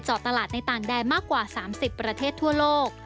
ตลาดในต่างแดนมากกว่า๓๐ประเทศทั่วโลก